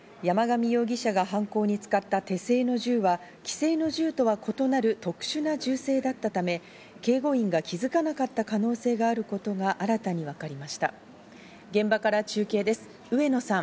山上容疑者が犯行に使った手製の銃は既成の銃とは異なる特殊な銃声だったため、警護員が気づかなかった可能性があることが新たに分かりました。